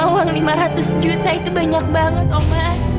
uang lima ratus juta itu banyak banget oma